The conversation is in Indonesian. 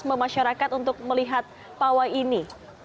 asma masyarakat untuk melihat pawai ini